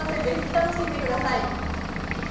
ぜひ楽しんで下さい。